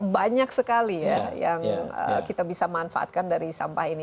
banyak sekali ya yang kita bisa manfaatkan dari sampah ini